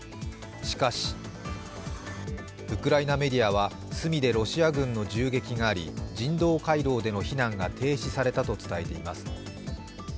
しかし、ウクライナメディアはスミでロシア軍の銃撃があり、人道回廊での避難が停止されたと伝えています。